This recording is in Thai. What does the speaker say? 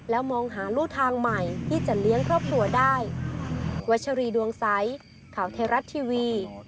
แล้วมองหารู่ทางใหม่ที่จะเลี้ยงครอบครัวได้